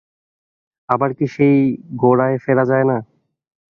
আবার কি সেই গোড়ায় ফেরা যায় না?